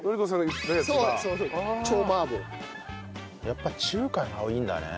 やっぱり中華が多いんだね。